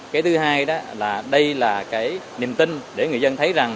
cái thứ hai đó là đây là cái niềm tin để người dân thấy rằng